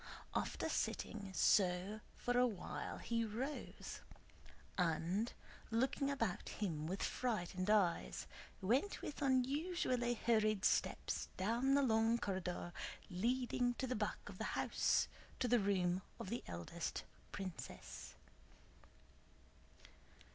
After sitting so for a while he rose, and, looking about him with frightened eyes, went with unusually hurried steps down the long corridor leading to the back of the house, to the room of the eldest princess.